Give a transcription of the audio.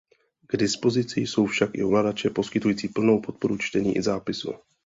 K dispozici jsou však i ovladače poskytující plnou podporu čtení i zápisu.